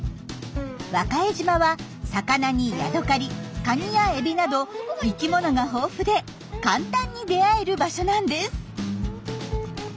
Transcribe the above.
和賀江島は魚にヤドカリカニやエビなど生きものが豊富で簡単に出会える場所なんです。